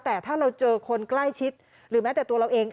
แต่ถ้าเราเจอคนใกล้ชิดหรือแม้แต่ตัวเราเอง